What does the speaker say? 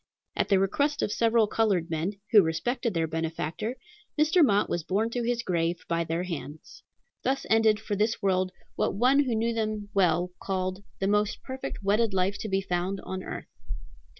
At the request of several colored men, who respected their benefactor, Mr. Mott was borne to his grave by their hands. Thus ended, for this world, what one who knew them well called "the most perfect wedded life to be found on earth."